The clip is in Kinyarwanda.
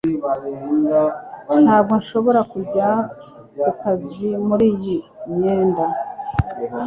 Ntabwo nshobora kujya ku kazi muri iyi myenda